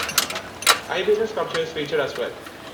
Iberian sculpture is featured as well.